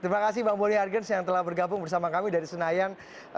terima kasih bang boni hargens yang telah bergabung bersama kami dari senayan